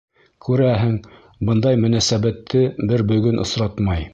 Күрәһең, бындай мөнәсәбәтте бер бөгөн осратмай...